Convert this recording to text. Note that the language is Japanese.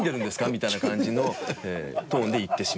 みたいな感じのトーンで言ってしまう。